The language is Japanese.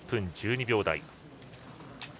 １分１２秒台。